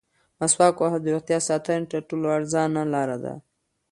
مسواک وهل د روغتیا ساتنې تر ټولو ارزانه لاره ده.